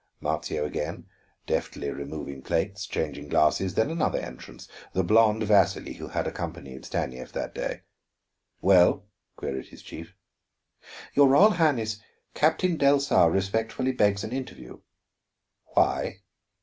Marzio again, deftly removing plates, changing glasses. Then another entrance, the blond Vasili who had accompanied Stanief that day. "Well?" queried his chief. "Your Royal Highness, Captain Delsar respectfully begs an interview." "Why?"